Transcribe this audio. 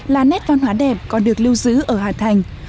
là nét văn hóa đẹp còn được lưu giữ ở hà thành